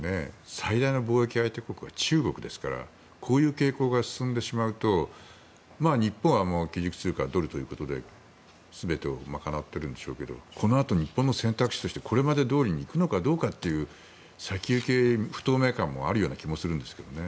最大の貿易相手国は中国ですからこういう傾向が進んでしまうと日本は基軸通貨ドルということで全てを賄ってるんでしょうけどこのあと、日本の選択肢としてこれまでどおりに行くのかどうかという先行きの不透明感があるような気もするんですけど。